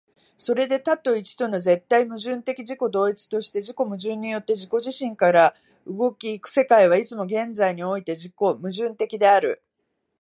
それで多と一との絶対矛盾的自己同一として、自己矛盾によって自己自身から動き行く世界は、いつも現在において自己矛盾的である。